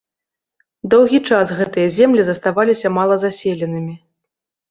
Доўгі час гэтыя землі заставаліся малазаселенымі.